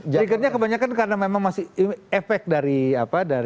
trigger nya kebanyakan karena memang masih efek dari apa dari